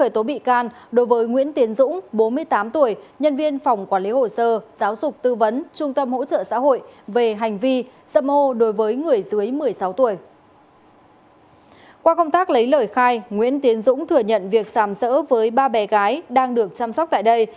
qua công tác lấy lời khai nguyễn tiến dũng thừa nhận việc xàm sỡ với ba bé gái đang được chăm sóc tại đây